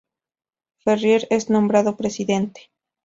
Ferrier es nombrado presidente.